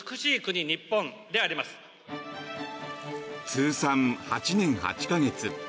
通算８年８か月。